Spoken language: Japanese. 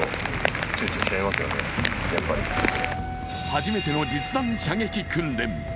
初めての実弾射撃訓練。